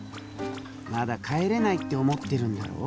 まだ帰れないって思ってるんだろ？